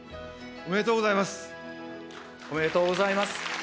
おめでとうございます。